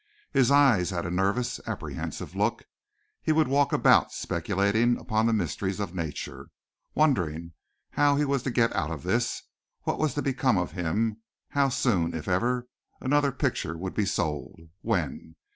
His eyes had a nervous, apprehensive look. He would walk about speculating upon the mysteries of nature, wondering how he was to get out of this, what was to become of him, how soon, if ever, another picture would be sold, when?